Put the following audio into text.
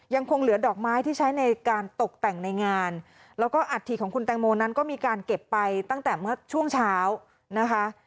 ยังคงเหลือดอกไม้ที่ใช้ในการตกแต่งในงานแล้วก็อัฐิของคุณแตงโมนั้นก็มีการเก็บไปตั้งแต่เมื่อช่วงเช้านะคะ